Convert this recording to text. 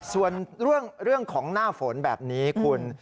ส่วนเรื่องของหน้าฝนแบบนี้คุณ